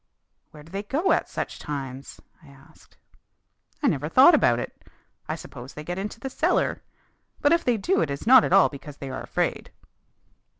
"Where do they go at such times?" I asked. "I never thought about it. I suppose they get into the cellar. But if they do it is not at all because they are afraid."